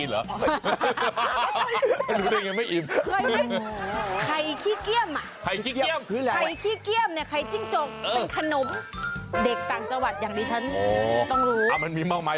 เว้ยเล็กไปอะครับมันไม่อิ่มมาสิ